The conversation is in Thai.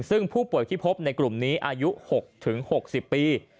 ซึ่งผู้ป่วยที่พบในกลุ่มนี้อายุ๖๖๐ปี